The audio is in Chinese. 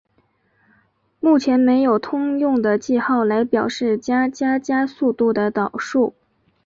目前没有通用的记号来表示加加加速度的导数。